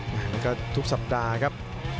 แล้วก็ทุกสัปดาห์ครับ